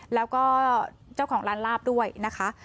แล้วก็เจ้าของร้านลาบด้วยนะคะ